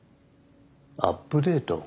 アップデート？